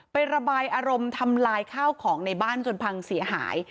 ไประบายอารมณ์ทำลายข้าวของในบ้านจนพังเสียหาย